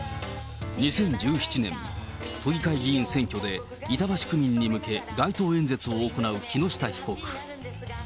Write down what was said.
２０１７年、都議会議員選挙で板橋区民に向け、街頭演説を行う木下被告。